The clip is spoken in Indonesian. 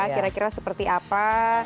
kira kira seperti apa